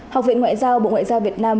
học viện ngoại giao bộ ngoại giao việt nam